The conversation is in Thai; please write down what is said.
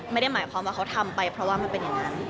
ไม่ได้หมายความว่าเขาทำไปเพราะว่ามันเป็นอย่างนั้น